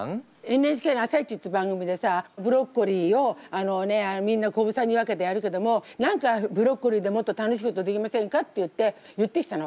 ＮＨＫの「あさイチ」って番組でさブロッコリーをあのねみんな小房に分けてやるけども「何かブロッコリーでもっと楽しいことできませんか？」って言って言ってきたの。